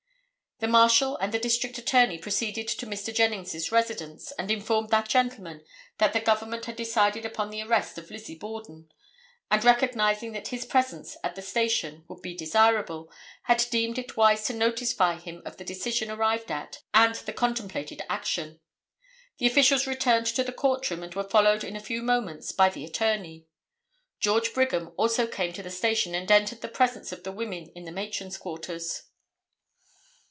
The Marshal and the District Attorney proceeded to Mr. Jennings' residence and informed that gentleman that the Government had decided upon the arrest of Lizzie Borden, and, recognizing that his presence at the station would be desirable, had deemed it wise to notify him of the decision arrived at and the contemplated action. The officials returned to the court room and were followed in a few moments by the attorney. George Brigham also came to the station and entered the presence of the women in the matron's quarters.